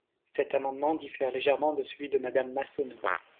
Cet amendement diffère légèrement de celui de Madame Massonneau.